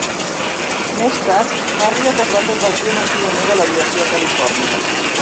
Més tard, Marriott es va convertir en un pioner de l'aviació a Califòrnia.